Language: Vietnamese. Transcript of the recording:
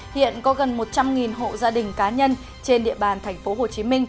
hiện có gần một trăm linh hộ gia đình cá nhân trên địa bàn tp hcm